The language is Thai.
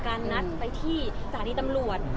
นัดไปที่สถานีตำรวจ